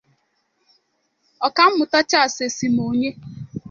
Ọkammụta Charles Esimone